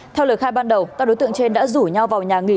theo lời khai ban đầu các đối tượng trên đã rủ nhau vào nhà nghỉ